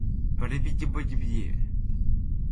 Baabiraaɓe makko fu yahii genni.